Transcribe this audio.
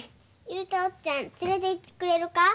雄太おっちゃん連れていってくれるか？